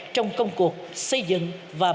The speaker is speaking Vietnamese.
trong công cuộc xây dựng và bảo vệ đất nước